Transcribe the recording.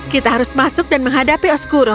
kita harus masuk dan menghadapi oskuro